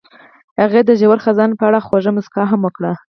هغې د ژور خزان په اړه خوږه موسکا هم وکړه.